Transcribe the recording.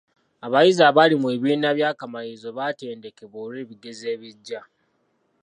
Abayizi abali mu bibiina by'akamalirizo baatendekeddwa olw'ebigezo ebijja.